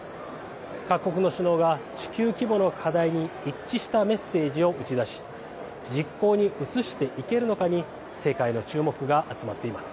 各国の首脳が地球規模の課題に一致したメッセージを打ち出し実行に移していけるのかに世界の注目が集まっています。